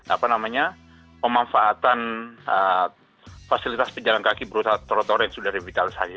apa namanya pemanfaatan fasilitas penjalan kaki berusaha trotoar yang sudah revitalisasi